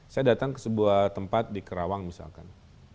saya datang ke sebuah tempat di kerawang misalkan